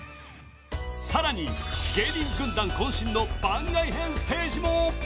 さらに芸人軍団渾身の番外編ステージも！